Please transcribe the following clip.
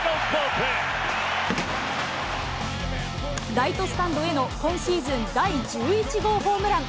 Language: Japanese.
ライトスタンドへの今シーズン第１１号ホームラン。